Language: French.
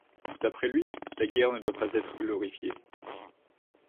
D'après lui, la guerre ne doit pas être glorifiée.